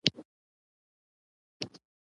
نو ته کوم یو یادوې ؟